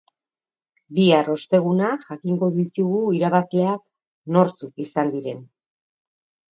Bihar, osteguna, jakingo ditugu irabazleak nortzuk izan diren.